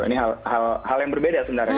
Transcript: ini hal yang berbeda sebenarnya